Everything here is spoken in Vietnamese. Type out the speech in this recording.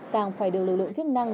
càng phải được lực lượng chức năng